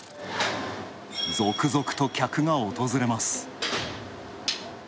続々と客が訪れます。